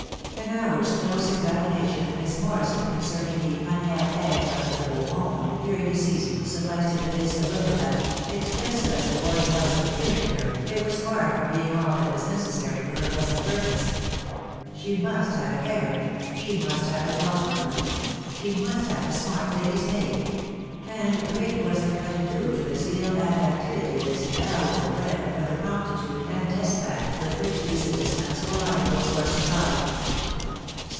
An hour's close examination of Miss Morrison concerning the maniere ctetre of the beau monde during the season sufficed to convince the widow that, expensive as the boarding house had appeared to her, it was far from being all that was neces sary for her present purpose. She must have a carriage, — she must have a tall footman, — she must have a smart lady's maid ;— and great was the credit due to the zeal and activity of this invaluable friend for the promptitude and despatch with which these indispensable articles were supplied.